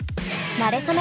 なれそめ！